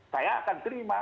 saya akan terima